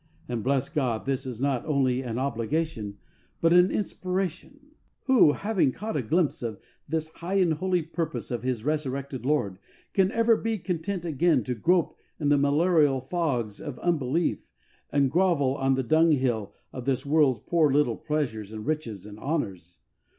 And, bless God, this is not only an obligation, but an inspiration 1 Who, having caught a glimpse of this high and holy purpose of His resurrected Lord, can ever be content again to grope in the malarial fogs of unbelief, and grovel on the H 98 HEART TALKS ON HOLINESS. dung hill of this world's poor little pleasures and riches and honours